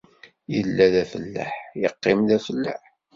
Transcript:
Illa d afellaḥ iqqim d afellaḥ